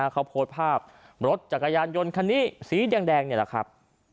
เขาโพสต์ภาพรถจักรยานยนต์คันนี้สีแดงนี่แหละครับ